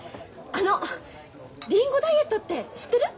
あのリンゴダイエットって知ってる？